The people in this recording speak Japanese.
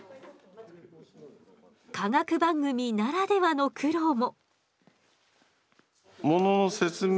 科学番組ならではの苦労も。